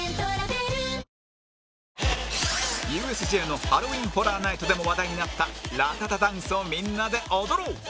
ＵＳＪ のハロウィーン・ホラー・ナイトでも話題になった『Ｒａｔ−ｔａｔ−ｔａｔ』ダンスをみんなで踊ろう